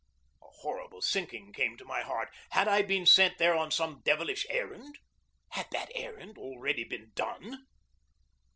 A horrible sinking came to my heart. Had I been sent here on some devilish errand? Had that errand already been done?